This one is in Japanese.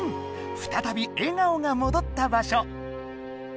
再び笑顔がもどった場所。